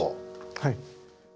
はい。